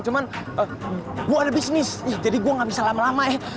cuman gue ada bisnis jadi gue gak bisa lama lama eh